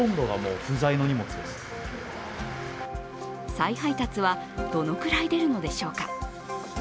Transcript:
再配達はどのくらい出るのでしょうか。